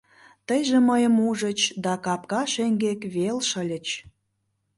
Тыйже мыйым ужыч да капка шеҥгак вел шыльыч.